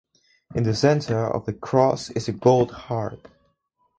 In the centre of the cross is a gold harp.